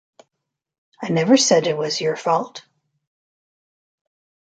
I never said it was your fault.